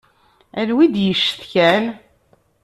Anwa i d-yecetkan?